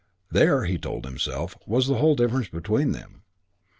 There, he told himself, was the whole difference between them.